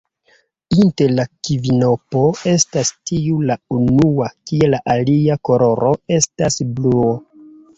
Inter la kvinopo estas tiu la unua, kie la alia koloro estas bluo.